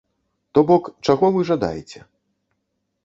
То бок, чаго вы жадаеце?